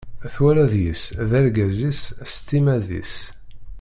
Twala deg-s d argaz-is s timmad-is.